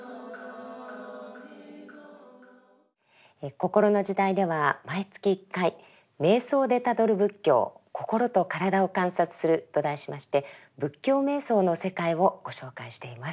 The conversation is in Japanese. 「こころの時代」では毎月１回「瞑想でたどる仏教心と身体を観察する」と題しまして仏教瞑想の世界をご紹介しています。